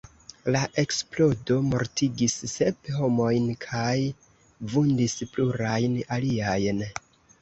La eksplodo mortigis sep homojn kaj vundis plurajn aliajn.